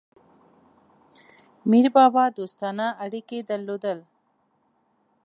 میربابا دوستانه اړیکي درلودل.